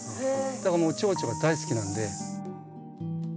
だからもうチョウチョが大好きなんで。